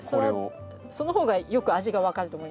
そのほうがよく味が分かると思います。